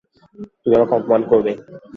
তুমি আমাকে অপমান করবে!